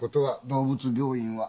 動物病院は？